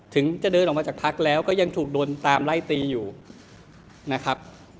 ถึงจะเดินออกมาจากพักแล้วก็ยังถูกโดนตามไล่ตีอยู่นะครับ